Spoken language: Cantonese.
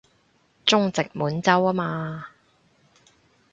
中殖滿洲吖嘛